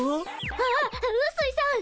あっうすいさん